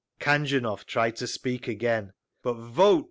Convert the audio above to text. Khanjunov tried to speak again, but "Vote!